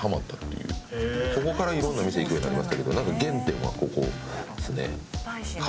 そこから色んな店行くようになりましたけど原点はここですね。